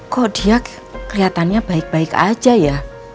kok dia kelihatannya baik baik aja ya